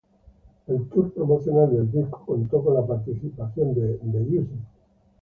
El tour promocional del disco contó con la participación de The Used.